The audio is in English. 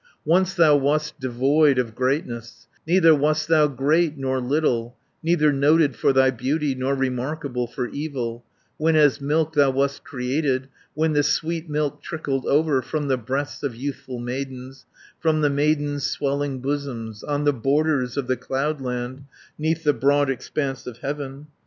"Once thou wast devoid of greatness; Neither wast thou great nor little, Neither noted for thy beauty, Nor remarkable for evil, 280 When as milk thou wast created, When the sweet milk trickled over From the breasts of youthful maidens, From the maidens' swelling bosoms, On the borders of the cloudland, 'Neath the broad expanse of heaven.